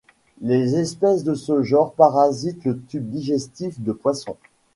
Les espèces de ce genre parasitent le tube digestif de poissons.